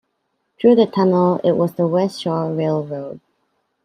Through the tunnel, it was the West Shore Railroad.